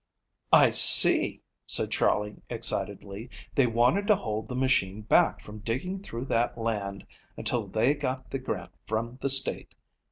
"I see," said Charley excitedly, "they wanted to hold the machine back from digging through that land until they got the grant from the state.